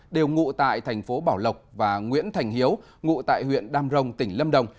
đều ngụ tại tp bảo lộc và nguyễn thành hiếu ngụ tại huyện đam rồng tỉnh lâm đồng